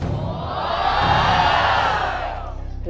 โอ้โฮ